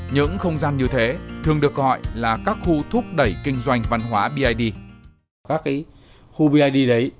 những không gian như thế thường được gọi là các khu thúc đẩy kinh doanh văn hóa bid